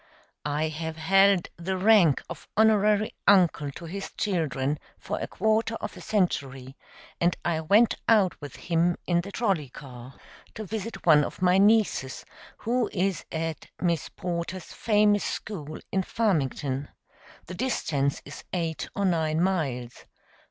I have held the rank of Honorary Uncle to his children for a quarter of a century, and I went out with him in the trolley car to visit one of my nieces, who is at Miss Porter's famous school in Farmington. The distance is eight or nine miles.